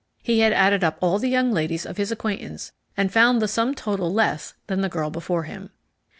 He had added up all the young ladies of his acquaintance, and found the sum total less than the girl before him.